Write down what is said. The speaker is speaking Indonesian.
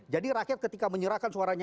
jadi rakyat ketika menyerahkan suaranya